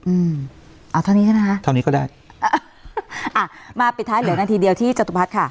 อืมเอาเท่านี้ใช่ไหมคะเท่านี้ก็ได้อ่าอ่ะมาปิดท้ายเหลือนาทีเดียวที่จตุพัฒน์ค่ะ